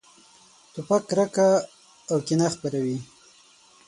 توپک کرکه او کینه خپروي.